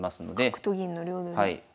角と銀の両取り。